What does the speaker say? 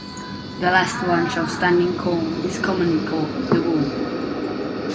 The last bunch of standing corn is commonly called the Wolf.